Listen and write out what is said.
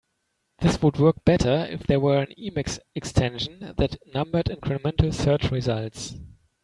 This would work better if there were an Emacs extension that numbered incremental search results.